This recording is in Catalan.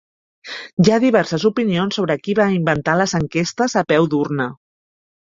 Hi ha diverses opinions sobre qui va inventar les enquestes a peu d'urna.